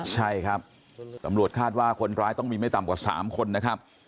ใช่ครับตำรวจคาดว่าคนร้ายต้องมีไม่ต่ำกว่า๓คนนะครับ